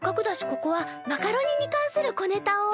ここはマカロニに関する小ネタを。